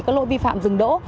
các lỗi vi phạm rừng đỗ